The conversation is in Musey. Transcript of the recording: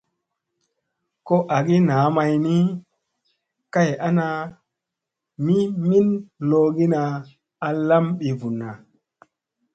Ko agi naa may ni ,kay ana mi min loʼogina a lam ɓivunna.